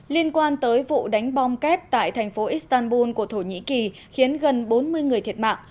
liên quan tới vụ đánh bom kép tại thành phố istanbul của thổ nhĩ kỳ khiến gần bốn mươi người thiệt mạng